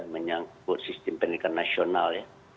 menyangkut sistem pendidikan nasional ya